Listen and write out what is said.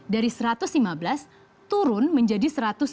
dari satu ratus lima belas turun menjadi satu ratus tujuh puluh